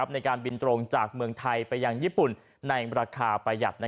ในการบินตรงจากเมืองไทยไปยังญี่ปุ่นในราคาประหยัด